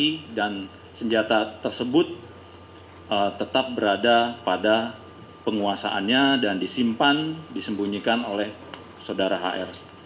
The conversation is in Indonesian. tersangka s yang dianggap sebagai penyelamat tetap berada pada penguasaannya dan disimpan disembunyikan oleh saudara hr